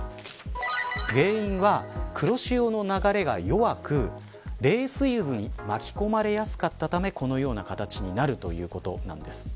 原因は、黒潮の流れが弱く冷水渦に巻き込まれやすかったため、このような形になるということです。